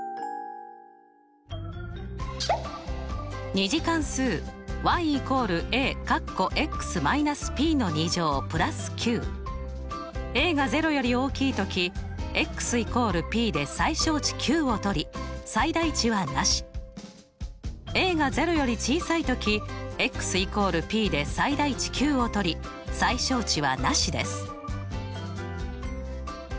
２次関数が０より大きいとき＝ｐで最小値ｑをとり最大値はなし。が０より小さいとき＝ｐで最大値ｑをとり最小値はなしです。